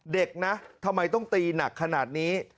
เด็กนะทำไมต้องตีหนักขนาดนี้